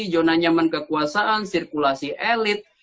zona nyaman kekuasaan sirkulasi elit